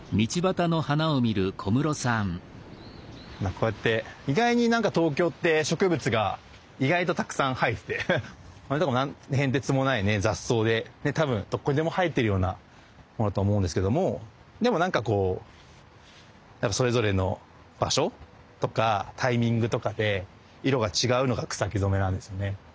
こうやって意外になんか東京って植物が意外とたくさん生えててこれとかも何の変哲もない雑草で多分どこにでも生えてるようなものと思うんですけどもでもなんかこうそれぞれの場所とかタイミングとかで色が違うのが草木染めなんですよね。